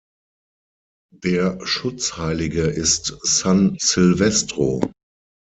Der Schutzheilige ist San Silvestro.